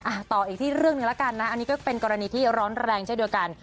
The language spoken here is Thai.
ต่ออีกที่เรื่องหนึ่งแล้วกันนะอันนี้ก็เป็นกรณีที่ร้อนแรงเช่นเดียวกัน